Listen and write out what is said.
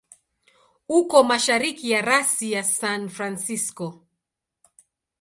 Uko mashariki ya rasi ya San Francisco.